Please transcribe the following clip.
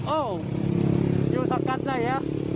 โอ้อยู่สักกัดได้ไหม